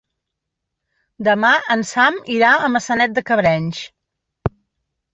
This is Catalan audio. Demà en Sam irà a Maçanet de Cabrenys.